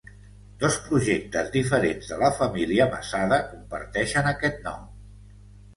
Dos projectes diferents de la família Masada comparteixen aquest nom.